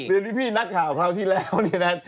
เดือนที่พี่นักข่าวคราวที่แล้วเนี่ยนะ